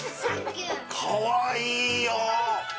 かわいいよ。